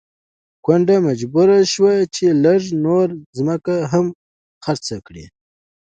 کونډه مجبوره شوه چې لږه نوره ځمکه هم خرڅه کړي.